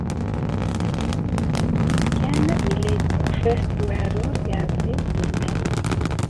Ken yella yettakf-as s weɛrur i Ɛezdin n Tezmalt.